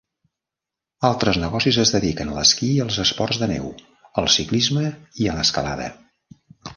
Altres negocis es dediquen a l'esquí i els esports de neu, al ciclisme i a l'escalada.